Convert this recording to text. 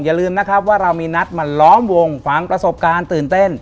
อย่าลืมนะครับว่าเรามีนัดมาล้อมวงฝังประสบการณ์ตื่นเต้น